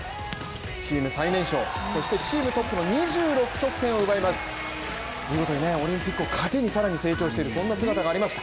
チーム最年少、そしてチームトップの２６得点を奪います、見事にオリンピックを糧にさらに成長している、そんな姿がありました